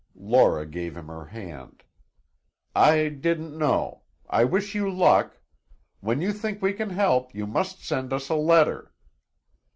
Laura gave him her hand. "I didn't know I wish you luck! When you think we can help, you must send us a letter."